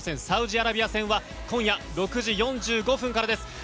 サウジアラビア戦は今夜６時４５分からです。